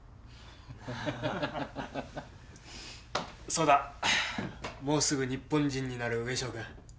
そうだもうすぐ日本人になるウエショウ君